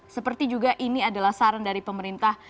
seperti juga ini adalah saran dari pemerintah